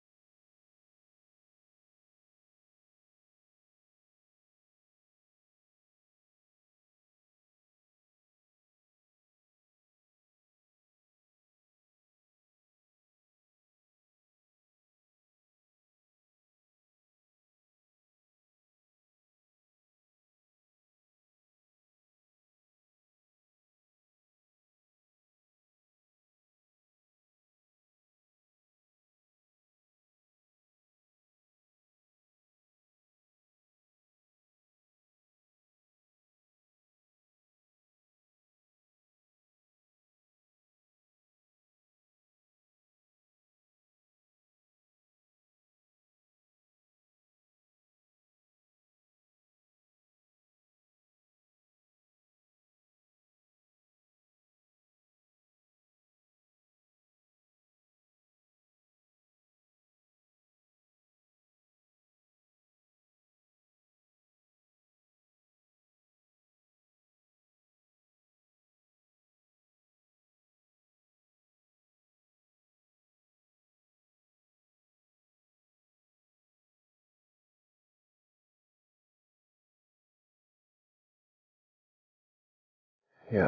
aku mandi dulu ya